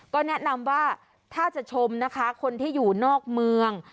ก็แนะนำว่าถ้าจะชมนะคะคนที่อยู่นอกเมือง